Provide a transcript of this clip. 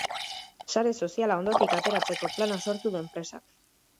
Sare soziala hondotik ateratzeko plana sortu du enpresak.